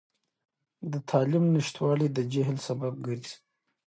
د تعلیم نشتوالی د جهل سبب ګرځي.